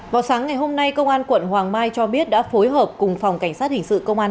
vào sáng ngày hôm nay công an quận hoàng mai cho biết đã phối hợp cùng phòng cảnh sát hình sự công an